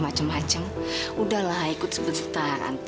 barang proses pening